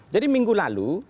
jadi minggu lalu